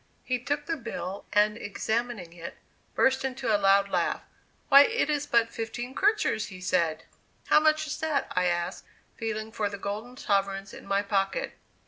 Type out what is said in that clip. He took the bill, and examining it, burst into a loud laugh. "Why, it is but fifteen kreutzers!" he said. "How much is that?" I asked, feeling for the golden sovereigns in my pocket.